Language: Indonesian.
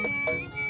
terima kasih pak